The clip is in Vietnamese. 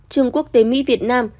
trường quốc tế mỹ việt nam